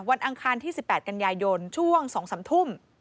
อังคารที่๑๘กันยายนช่วง๒๓ทุ่ม